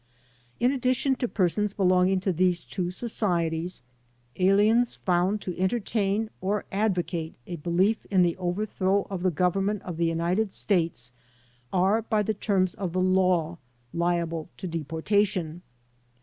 In addition to persons belonging to these two societies, aliens found to entertain or advocate a belief in the overthrow of the Government of the United States are by the terms of the law liable to deportation.